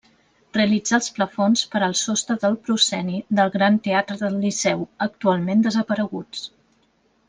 Realitzà els plafons per al sostre del prosceni del Gran Teatre del Liceu, actualment desapareguts.